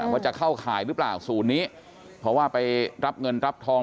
ว่าจะเข้าข่ายหรือเปล่าศูนย์นี้เพราะว่าไปรับเงินรับทอง